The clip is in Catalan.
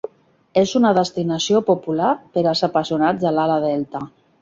És una destinació popular per als apassionats de l'ala delta.